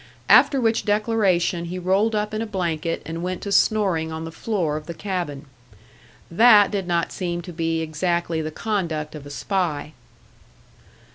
After which declaration he rolled up in a blanket and went to snoring on the floor of the cabin. That did not seem to be exactly the conduct of a spy.